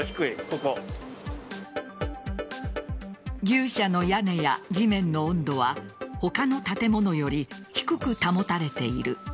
牛舎の屋根や地面の温度は他の建物より低く保たれている。